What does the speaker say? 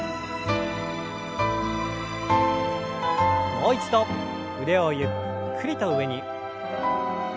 もう一度腕をゆっくりと上に。